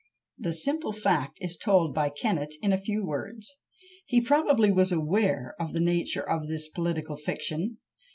The simple fact is told by Kennet in a few words: he probably was aware of the nature of this political fiction.